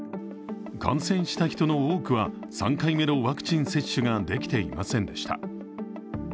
感染した人の多くは、３回目のワクチン接種ができていませんでした。